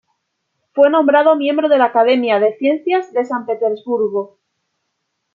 Fue nombrado miembro de la Academia de de Ciencias de San Petersburgo.